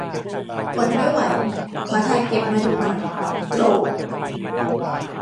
อดไม่ไหว ขอถ่ายเก็บมาดูหน่อย โกรธ